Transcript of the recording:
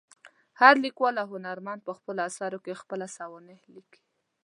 هر لیکوال او هنرمند په خپلو اثرو کې خپله سوانح لیکي.